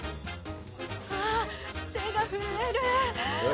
あぁ手が震える！